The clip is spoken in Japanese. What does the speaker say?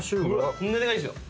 こんなでかいんすよ。